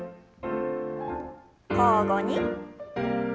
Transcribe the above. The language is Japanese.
交互に。